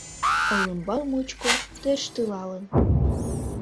Олымбал мучко тӧрштылалын